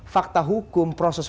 fakta hukum proses